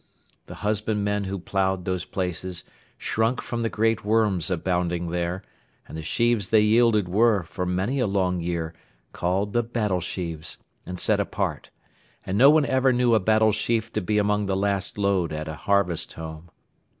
The husbandmen who ploughed those places, shrunk from the great worms abounding there; and the sheaves they yielded, were, for many a long year, called the Battle Sheaves, and set apart; and no one ever knew a Battle Sheaf to be among the last load at a Harvest Home.